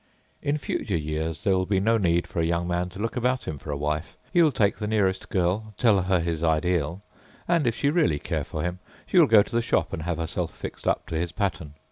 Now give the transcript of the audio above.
In future years there will be no need for a young man to look about him for a wife; he will take the nearest girl, tell her his ideal, and, if she really care for him, she will go to the shop and have herself fixed up to his pattern.